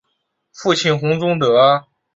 父亲洪宗德。